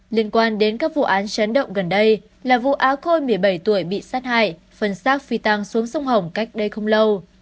liên quan đến các vụ án chấn động gần đây là vụ á khôi một mươi bảy tuổi bị sát hại phần xác phi tăng xuống sông hồng cách đây không lâu